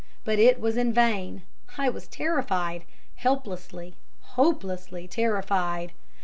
But it was in vain; I was terrified helplessly, hopelessly terrified.